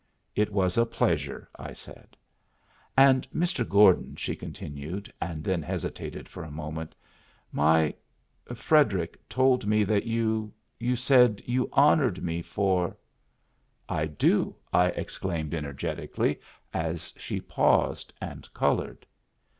"It was a pleasure," I said. "And, Mr. Gordon," she continued, and then hesitated for a moment, "my Frederic told me that you you said you honored me for ?" "I do," I exclaimed energetically, as she paused and colored.